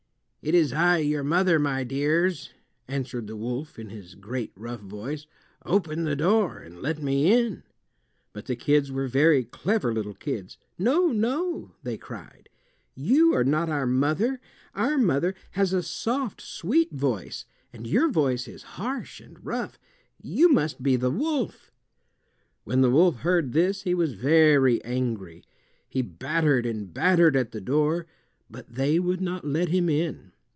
"It is I, your mother, my dears," answered the wolf in his great rough voice. "Open the door and let me in." But the kids were very clever little kids. "No, no," they cried. "You are not our mother. Our mother has a soft, sweet voice, and your voice is harsh and rough. You must be the wolf." When the wolf heard this he was very angry. He battered and battered at the door, but they would not let him in.